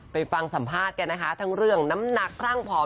ไปฟังสัมภาษณ์กันนะคะทั้งเรื่องน้ำหนักคลั่งผอม